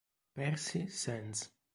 Percy Sands